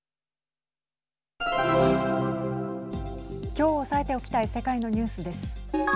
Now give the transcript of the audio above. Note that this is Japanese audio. きょう押さえておきたい世界のニュースです。